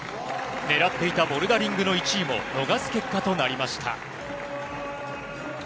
狙っていたボルダリングの１位も逃す結果となりました。